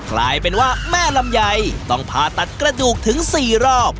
กลายเป็นว่าแม่ลำไยต้องผ่าตัดกระดูกถึง๔รอบ